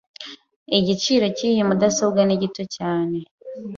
Igiciro cyiyi mudasobwa ni gito cyane.